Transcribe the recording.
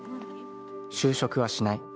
就職はしない。